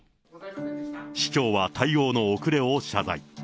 市長は対応の遅れを謝罪。